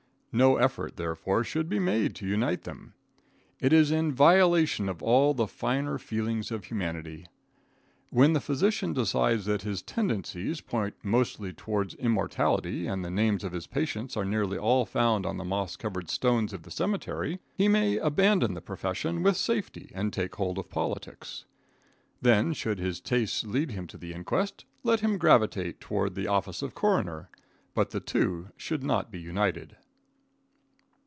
No effort, therefore, should be made to unite them. It is in violation of all the finer feelings of humanity. When the physician decides that his tendencies point mostly toward immortality and the names of his patients are nearly all found on the moss covered stones of the cemetery, he may abandon the profession with safety and take hold of politics. Then, should his tastes lead him to the inquest, let him gravitate toward the office of coroner; but the two should not be united.